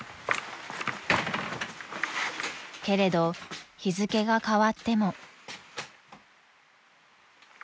［けれど日付が変わっても］